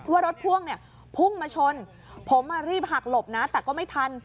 ว่ารถพ่วงเนี่ยพุ่งมาชนผมรีบหักหลบนะแต่ก็ไม่ทัน